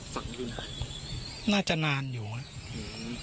ฝันรุ่นเอ่อน่าจะนานอยู่แล้วอืม